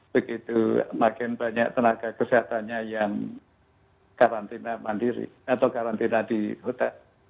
begitu makin banyak tenaga kesehatannya yang karantina mandiri atau karantina di hotel